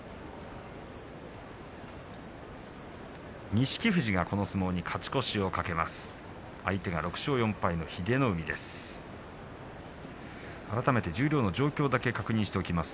錦富士、この相撲に勝ち越しを懸けます。